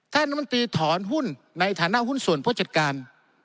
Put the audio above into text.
น้ำมันตรีถอนหุ้นในฐานะหุ้นส่วนผู้จัดการ